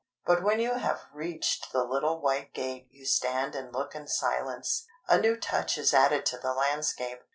But when you have reached the little white gate you stand and look in silence. A new touch is added to the landscape.